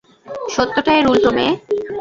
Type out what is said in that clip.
সত্যটা এর উল্টো, মেয়ে।